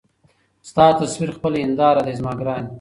ستا تصوير خپله هينداره دى زما ګراني